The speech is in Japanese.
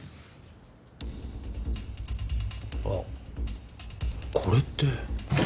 あっこれって。